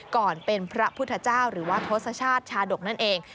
ก่อนเป็นพระพุทธเจ้าหรือว่าทศชาติชาดกนั่นเอง